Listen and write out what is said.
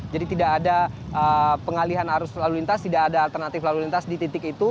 jadi tidak ada pengalihan arus lalu lintas tidak ada alternatif lalu lintas di titik itu